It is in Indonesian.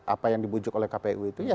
apa yang dibujuk oleh kpu itu